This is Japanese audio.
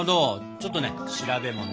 ちょっとね調べもの。